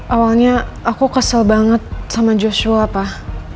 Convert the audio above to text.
awalnya aku kesel banget sama joshua apa